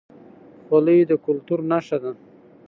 خولۍ د کلتور نښه ده